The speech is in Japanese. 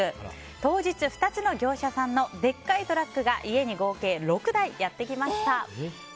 当日、２つの業者さんのでっかいトラックが家に合計６台やってきました。